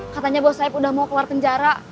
katanya bos said udah mau keluar penjara